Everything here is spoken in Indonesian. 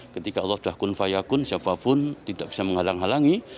ketika allah dahkun faya kun siapapun tidak bisa menghalang halangi